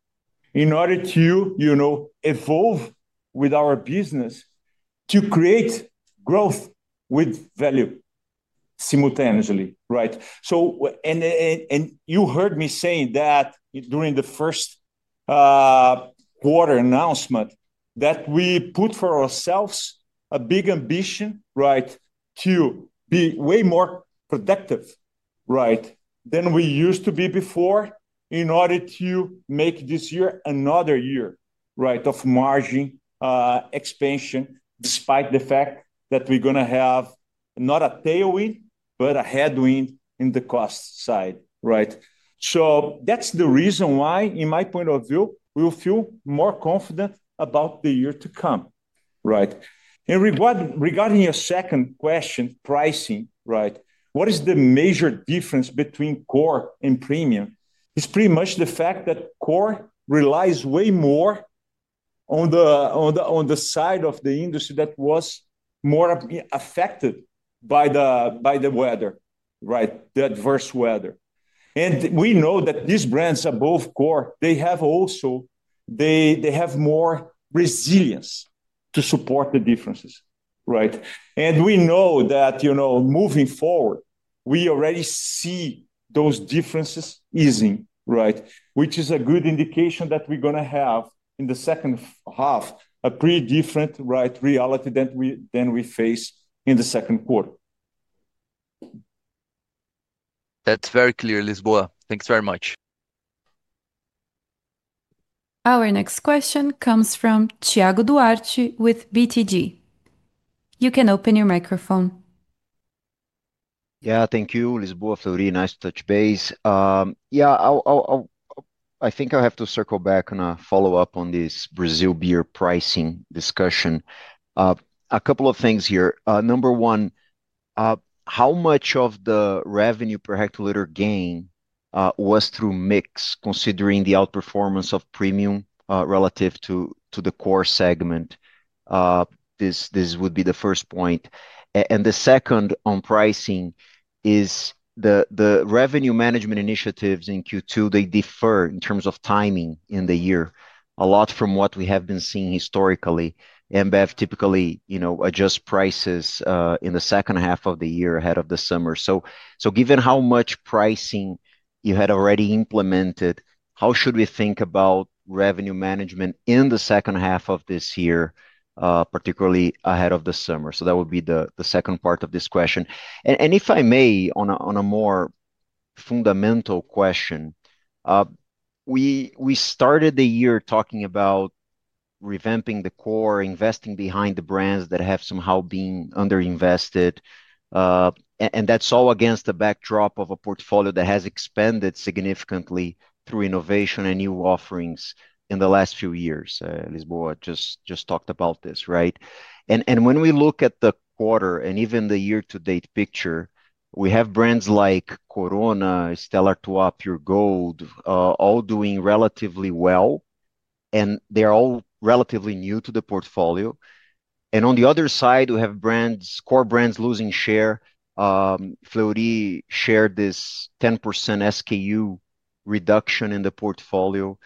in order to evolve with our business, to create growth with value, simultaneously, right? You heard me saying that during the first quarter announcement that we put for ourselves a big ambition to be way more productive than we used to be before in order to make this year another year of margin expansion, despite the fact that we're going to have not a tailwind, but a headwind in the cost side, right? That's the reason why, in my point of view, we will feel more confident about the year to come, right? Regarding your second question, pricing, what is the major difference between core and premium? It's pretty much the fact that core relies way more on the side of the industry that was more affected by the weather, the adverse weather. We know that these brands above core, they have more resilience to support the differences, right? We know that, moving forward, we already see those differences easing, right? Which is a good indication that we're going to have in the second half a pretty different reality than we faced in the Second Quarter. That's very clear, Lisboa. Thanks very much. Our next question comes from Thiago Duarte with BTG. You can open your microphone. Thank you, Lisboa, Fleury, nice to touch base. I think I have to circle back on a follow-up on this Brazil beer pricing discussion. A couple of things here. Number one, how much of the revenue per hectoliter gain was through mix, considering the outperformance of premium relative to the core segment? This would be the first point. The second on pricing is the revenue management initiatives in Q2, they differ in terms of timing in the year a lot from what we have been seeing historically. Ambev typically adjusts prices in the second half of the year ahead of the summer. Given how much pricing you had already implemented, how should we think about revenue management in the second half of this year, particularly ahead of the summer? That would be the second part of this question. If I may, on a more fundamental question, we started the year talking about revamping the core, investing behind the brands that have somehow been underinvested, and that's all against the backdrop of a portfolio that has expanded significantly through innovation and new offerings in the last few years. Lisboa just talked about this, right? When we look at the quarter and even the year-to-date picture, we have brands like Corona, Stella 2Up, PureGold, all doing relatively well. They're all relatively new to the portfolio. On the other side, we have core brands losing share. Fleury shared this 10% SKU reduction in the portfolio.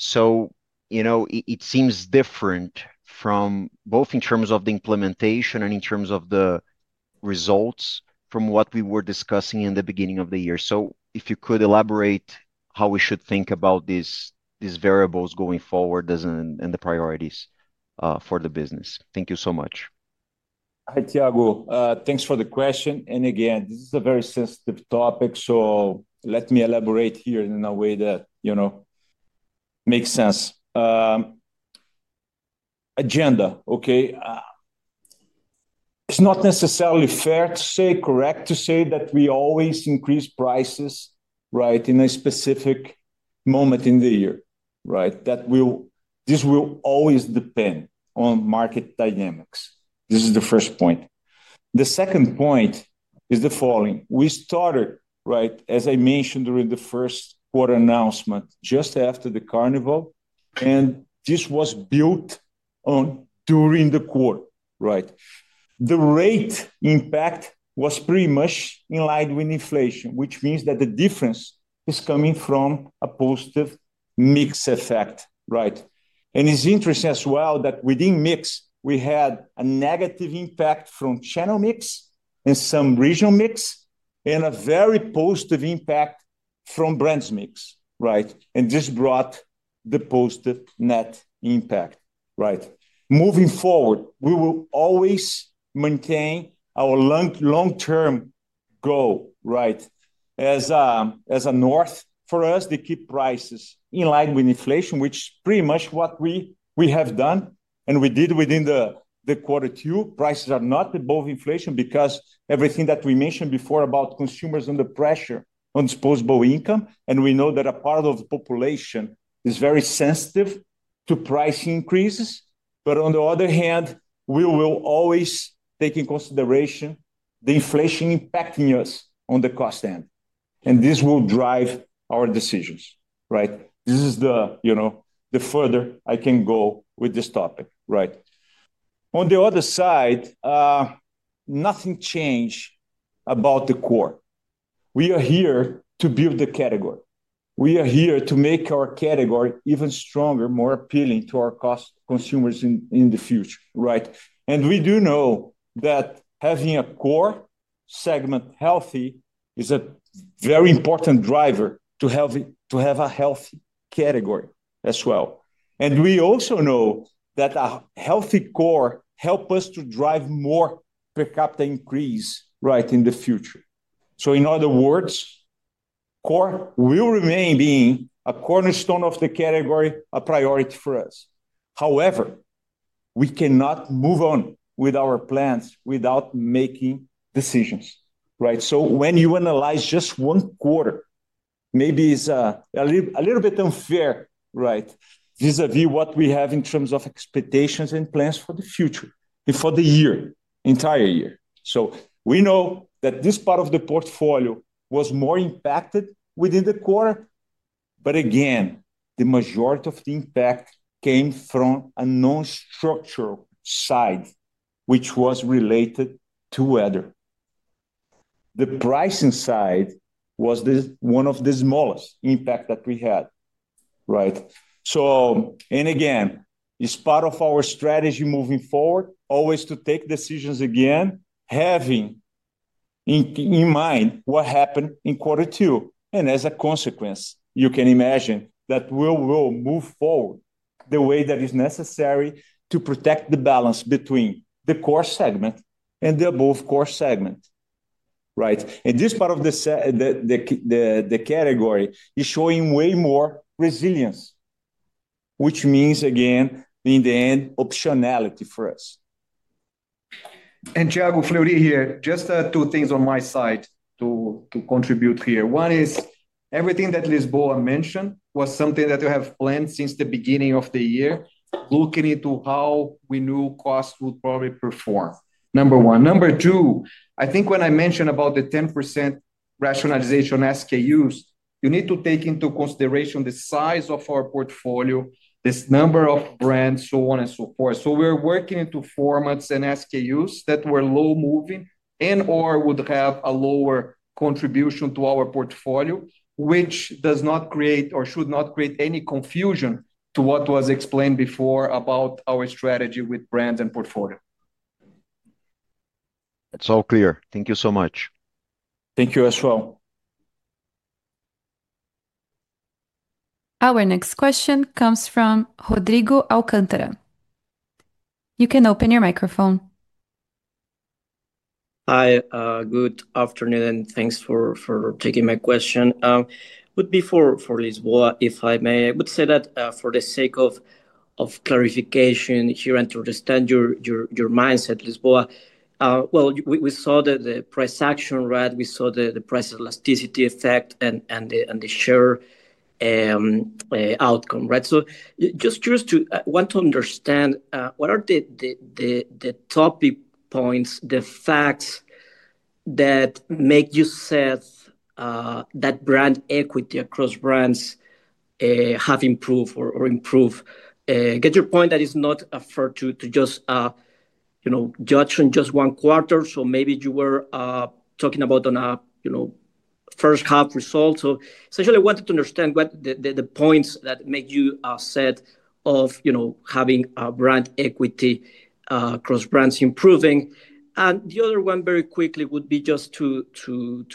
It seems different from both in terms of the implementation and in terms of the results from what we were discussing in the beginning of the year. If you could elaborate how we should think about these variables going forward and the priorities for the business. Thank you so much. Hi, Thiago, thanks for the question. This is a very sensitive topic, so let me elaborate here in a way that makes sense. Agenda, okay? It's not necessarily fair to say, correct to say, that we always increase prices in a specific moment in the year. That will always depend on market dynamics. This is the first point. The second point is the following. We started, as I mentioned during the first quarter announcement, just after the carnival, and this was built on during the quarter. The rate impact was pretty much in line with inflation, which means that the difference is coming from a positive mix effect. It's interesting as well that within mix, we had a negative impact from channel mix and some regional mix and a very positive impact from brands mix. This brought the positive net impact. Moving forward, we will always maintain our long-term goal. As a north for us to keep prices in line with inflation, which is pretty much what we have done and we did within the quarter two. Prices are not above inflation because everything that we mentioned before about consumers and the pressure on disposable income, and we know that a part of the population is very sensitive to price increases. On the other hand, we will always take into consideration the inflation impacting us on the cost end. This will drive our decisions, right? This is the, you know, the further I can go with this topic, right? On the other side, nothing changed about the core. We are here to build the category. We are here to make our category even stronger, more appealing to our consumers in the future, right? We do know that having a core segment healthy is a very important driver to have a healthy category as well. We also know that a healthy core helps us to drive more per capita increase, right, in the future. In other words, core will remain being a cornerstone of the category, a priority for us. However, we cannot move on with our plans without making decisions, right? When you analyze just one quarter, maybe it's a little bit unfair, right, vis-à-vis what we have in terms of expectations and plans for the future and for the entire year. We know that this part of the portfolio was more impacted within the quarter, but again, the majority of the impact came from a non-structural side, which was related to weather. The pricing side was one of the smallest impacts that we had, right? Again, it's part of our strategy moving forward, always to take decisions again, having in mind what happened in quarter two. As a consequence, you can imagine that we will move forward the way that is necessary to protect the balance between the core segment and the above core segment, right? This part of the category is showing way more resilience, which means, again, in the end, optionality for us. Thiago Fleury here, just two things on my side to contribute here. One is everything that Lisboa mentioned was something that we have planned since the beginning of the year, looking into how we knew costs would probably perform. Number one. Number two, I think when I mentioned about the 10% rationalization SKUs, you need to take into consideration the size of our portfolio, this number of brands, so on and so forth. We're working into formats and SKUs that were low moving and/or would have a lower contribution to our portfolio, which does not create or should not create any confusion to what was explained before about our strategy with brands and portfolio. That's all clear. Thank you so much. Thank you as well. Our next question comes from Rodrigo Alcântara. You can open your microphone. Hi, good afternoon, and thanks for taking my question. It would be for Lisboa, if I may. I would say that for the sake of clarification here and to understand your mindset, Lisboa, we saw the price action, right? We saw the price elasticity effect and the share outcome, right? I'm just curious to understand what are the topic points, the facts that make you sense that brand equity across brands has improved or improved. I get your point that it is not a first to just judge on just one quarter, so maybe you were talking about a first half result. Essentially, I wanted to understand what the points are that make you a set of having a brand equity across brands improving. The other one, very quickly, would be just to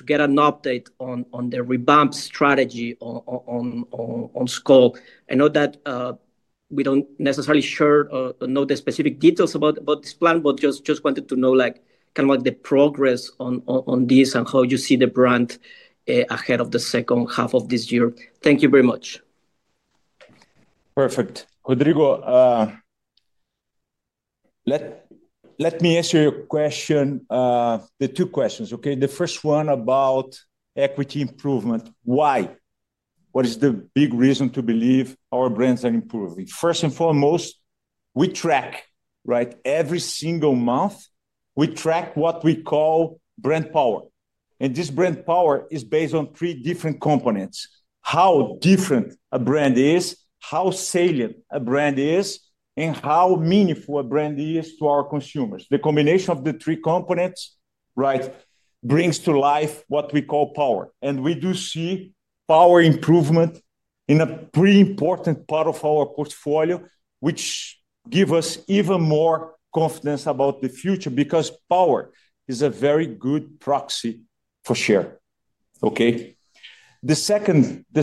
get an update on the revamped strategy on Score. I know that we don't necessarily know the specific details about this plan, but I just wanted to know the progress on this and how you see the brand ahead of the second half of this year. Thank you very much. Perfect, Rodrigo. Let me answer your two questions, okay? The first one about equity improvement. Why? What is the big reason to believe our brands are improving? First and foremost, we track every single month what we call brand power. This brand power is based on three different components: how different a brand is, how salient a brand is, and how meaningful a brand is to our consumers. The combination of the three components brings to life what we call power, and we do see power improvement in a pretty important part of our portfolio, which gives us even more confidence about the future because power is a very good proxy for share, okay? The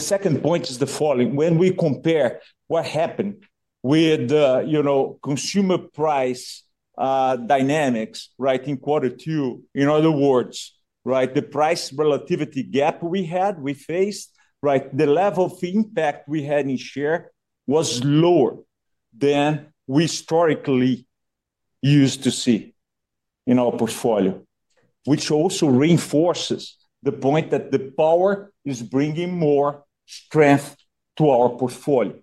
second point is the following. When we compare what happened with the consumer price dynamics in quarter two, in other words, the price relativity gap we had, we faced, the level of impact we had in share was lower than we historically used to see in our portfolio, which also reinforces the point that the power is bringing more strength to our portfolio.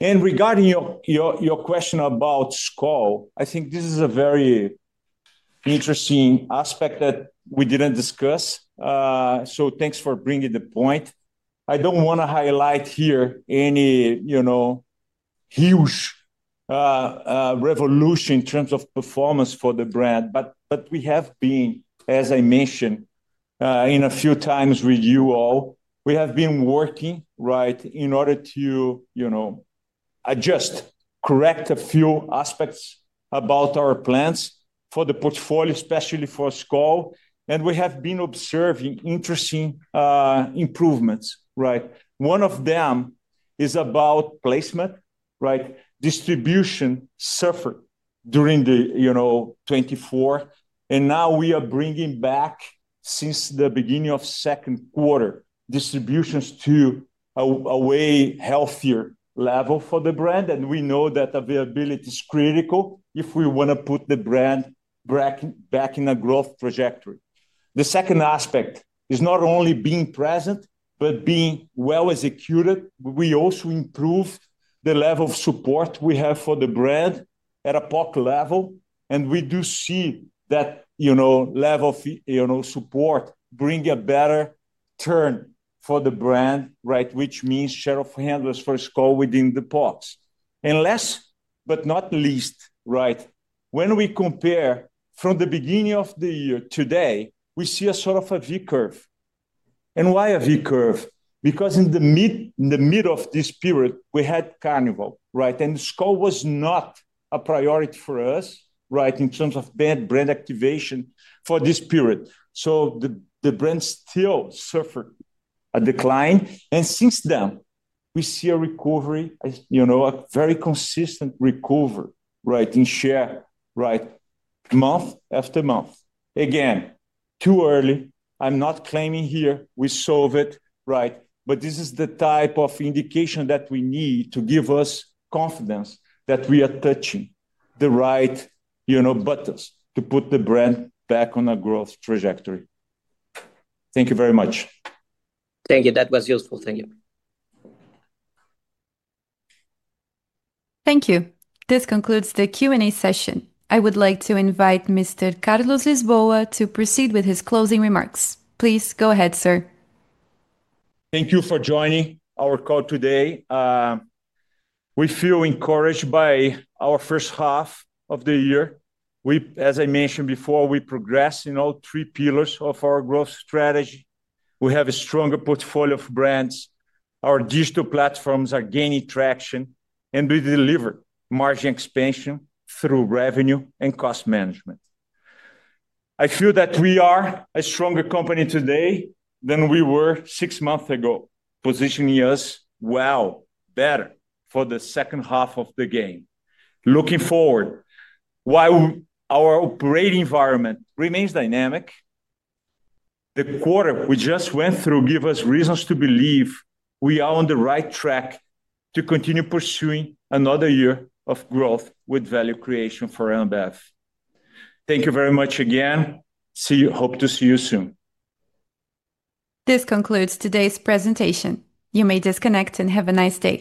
Regarding your question about Score, I think this is a very interesting aspect that we didn't discuss, so thanks for bringing the point. I don't want to highlight here any huge revolution in terms of performance for the brand, but we have been, as I mentioned a few times with you all, working in order to adjust, correct a few aspects about our plans for the portfolio, especially for Score, and we have been observing interesting improvements. One of them is about placement. Distribution suffered during 2024, and now we are bringing back, since the beginning of Second Quarter, distributions to a way healthier level for the brand, and we know that availability is critical if we want to put the brand back in a growth trajectory. The second aspect is not only being present, but being well executed. We also improved the level of support we have for the brand at a pocket level, and we do see that level of support bring a better turn for the brand, which means share of handlers for Score within the pots. Last but not least, when we compare from the beginning of the year to today, we see a sort of a V curve. Why a V curve? Because in the middle of this period, we had carnival, and Score was not a priority for us in terms of brand activation for this period. The brand still suffered a decline, and since then, we see a recovery, a very consistent recovery in share, month after month. Again, too early. I'm not claiming here we solve it, but this is the type of indication that we need to give us confidence that we are touching the right buttons to put the brand back on a growth trajectory. Thank you very much. Thank you. That was useful. Thank you. Thank you. This concludes the Q&A session. I would like to invite Mr. Carlos Lisboa to proceed with his closing remarks. Please go ahead, sir. Thank you for joining our call today. We feel encouraged by our first half of the year. We, as I mentioned before, we progress in all three pillars of our growth strategy. We have a stronger portfolio of brands. Our digital platforms are gaining traction, and we deliver margin expansion through revenue and cost management. I feel that we are a stronger company today than we were six months ago, positioning us well better for the second half of the game. Looking forward, while our operating environment remains dynamic, the quarter we just went through gives us reasons to believe we are on the right track to continue pursuing another year of growth with value creation for Ambev. Thank you very much again. See you, hope to see you soon. This concludes today's presentation. You may disconnect and have a nice day.